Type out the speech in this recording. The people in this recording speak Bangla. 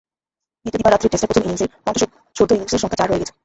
দ্বিতীয় দিবারাত্রির টেস্টে প্রথম ইনিংসেই পঞ্চাশোর্ধ্ব ইনিংসের সংখ্যা চার হয়ে গেছে।